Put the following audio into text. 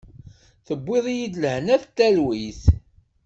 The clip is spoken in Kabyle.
Tewwiḍ-iyi-d lehna talwit.